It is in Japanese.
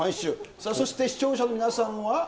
さあ、そして視聴者の皆さんは。